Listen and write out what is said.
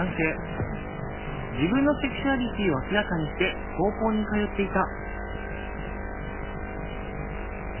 自分のセクシュアリティーを明らかにして高校に通っていた。